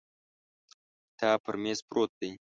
کتاب پر مېز پروت دی.